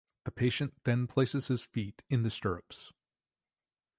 The patient then places his feet in the stirrups.